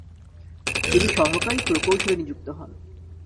তিনি সহকারী প্রকৌশলী নিযুক্ত হন।